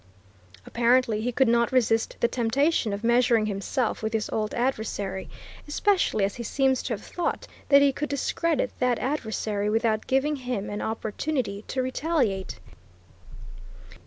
Apparently he could not resist the temptation of measuring himself with his old adversary, especially as he seems to have thought that he could discredit that adversary without giving him an opportunity to retaliate.